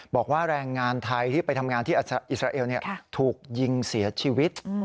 บอกว่าแรงงานไทยที่ไปทำงานที่อิสราเอลถูกยิงเสียชีวิต